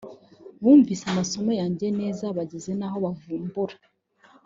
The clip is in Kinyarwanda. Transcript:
bumvise amasomo yanjye neza bageze naho bavumbura”